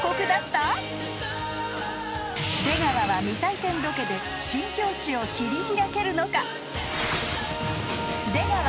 ［出川は未体験ロケで新境地を切り開けるのか？］